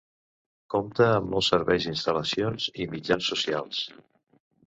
Compta amb molts serveis, instal·lacions i mitjans socials.